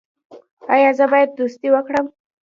ایا زه باید دوستي وکړم؟